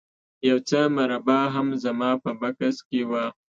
یو څه مربا هم زما په بکس کې وه